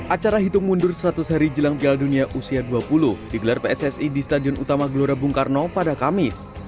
acara hitung mundur seratus hari jelang piala dunia usia dua puluh digelar pssi di stadion utama gelora bung karno pada kamis